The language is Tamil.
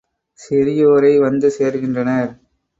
சிறியோரே வந்து சேர்கின்றனர்.